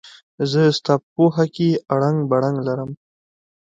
زه ستا په پوهه کې اړنګ بړنګ لرم.